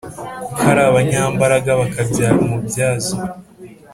Kuko ari abanyambaraga bakabyara umubyaza